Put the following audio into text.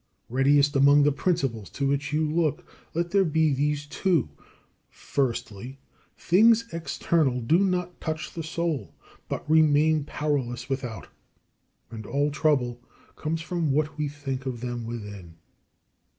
Readiest among the principles to which you look let there be these two: Firstly, things external do not touch the soul, but remain powerless without; and all trouble comes from what we think of them within.